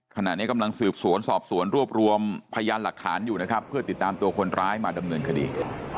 ขณะนี้กำลังสืบสวนสอบสวนรวบรวมพยานหลักฐานอยู่นะครับเพื่อติดตามตัวคนร้ายมาดำเนินคดี